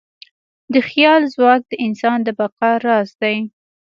د خیال ځواک د انسان د بقا راز دی.